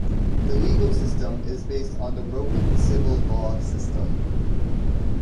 The legal system is based on the Roman civil law system.